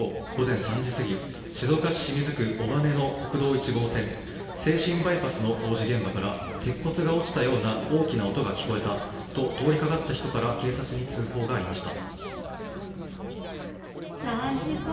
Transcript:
今日午前３時すぎ静岡市清水区尾羽の国道１号線静清バイパスの工事現場から鉄骨が落ちたような大きな音が聞こえたと通りかかった人から警察に通報がありました。